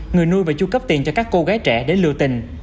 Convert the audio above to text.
người nuôi và chu cấp tiền cho các cô gái trẻ để lừa tình